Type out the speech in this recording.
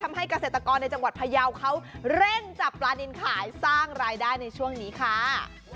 เกษตรกรในจังหวัดพยาวเขาเร่งจับปลานินขายสร้างรายได้ในช่วงนี้ค่ะ